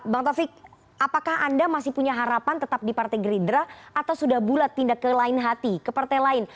bang taufik apakah anda masih punya harapan tetap di partai gerindra atau sudah bulat pindah ke lain hati ke partai lain